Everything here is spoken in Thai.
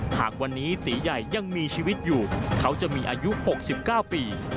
หากวันนี้ตีใหญ่ยังมีชีวิตอยู่เขาจะมีอายุ๖๙ปี